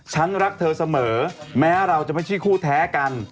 ฉันรักเธอเสมอแม้เราจะไม่ใช่คู่แท้กัน